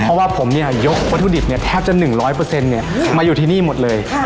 เพราะว่าผมเนี่ยยกวัตถุดิบแทบจะ๑๐๐มาอยู่ที่นี่หมดเลย